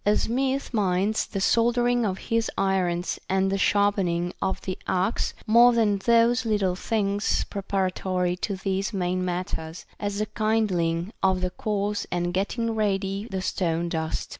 A smith minds the soldering of his irons and the sharpen ing of the axe more than those little things preparatory to these main matters, as the kindling, of the coals and getting ready the stone dust.